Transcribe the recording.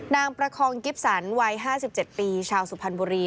นางประคองกิฟสันวัยห้าสิบเจ็ดปีชาวสุพรรณบุรี